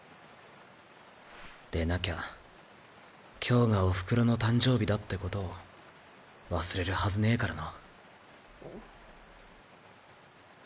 でなきゃ今日がお袋の誕生日だって事を忘れるはずねぇからな。